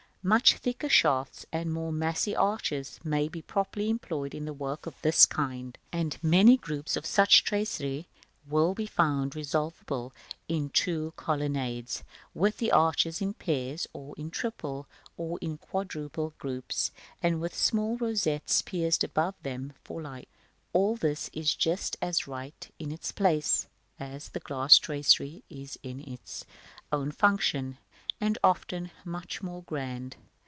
Much thicker shafts, and more massy arches, may be properly employed in work of this kind; and many groups of such tracery will be found resolvable into true colonnades, with the arches in pairs, or in triple or quadruple groups, and with small rosettes pierced above them for light. All this is just as right in its place, as the glass tracery is in its own function, and often much more grand.